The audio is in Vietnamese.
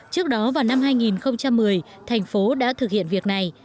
trước đó vào năm hai nghìn một mươi thành phố đã thực hiện việc này